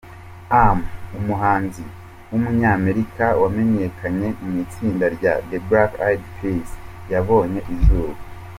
am, umuhanzi w’umunyamerika wamenyekanye mu itsinda rya The Black Eyed Peas yabonye izuba.